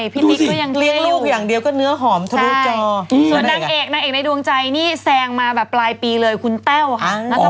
พี่ติ๊กก็ยังเลี้ยงอยู่ส่วนนางเอกในดวงใจนี่แซงมาปลายปีเลยคุณแต้วค่ะ